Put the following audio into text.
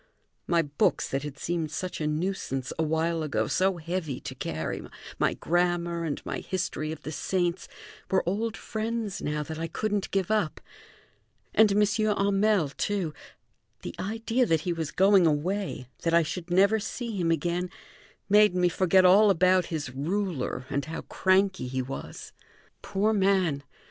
My books, that had seemed such a nuisance a while ago, so heavy to carry, my grammar, and my history of the saints, were old friends now that I couldn't give up. And M. Hamel, too; the idea that he was going away, that I should never see him again, made me forget all about his ruler and how cranky he was. Poor man!